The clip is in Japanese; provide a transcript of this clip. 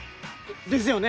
ですよね。